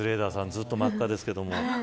ずっと真っ赤ですけど。